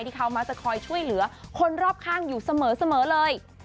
ที่เขามักจะคอยช่วยเหลือคนรอบข้างอยู่เสมอเลย